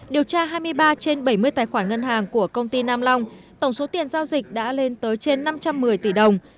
điều tra hai mươi ba trên bảy mươi tài khoản ngân hàng của công ty nam long tổng số tiền giao dịch đã lên tới trên năm trăm một mươi tỷ đồng